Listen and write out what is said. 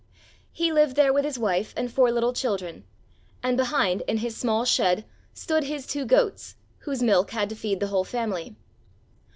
He lived there with his wife and four little children, and behind in his small shed stood his two goats, whose milk had to feed the whole family.